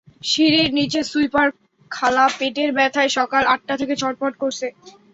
সিঁড়ির নিচে সুইপার খালা পেটের ব্যথায় সকাল আটটা থেকে ছটফট করছে।